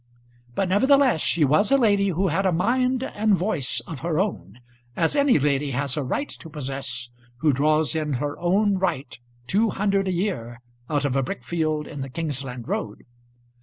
But nevertheless she was a lady who had a mind and voice of her own, as any lady has a right to possess who draws in her own right two hundred a year out of a brick field in the Kingsland Road.